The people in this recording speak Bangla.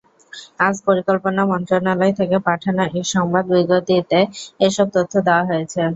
আজ পরিকল্পনা মন্ত্রণালয় থেকে পাঠানো এক সংবাদ বিজ্ঞপ্তিতে এসব তথ্য দেওয়া হয়েছে।